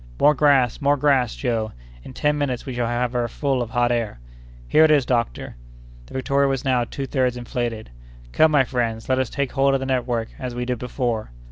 "More grass! more grass, Joe! In ten minutes we shall have her full of hot air." "Here it is, doctor!" The Victoria was now two thirds inflated. "Come, my friends, let us take hold of the network, as we did before."